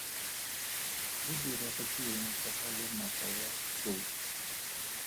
Go diragetse eng ka ga lenaka la tlou?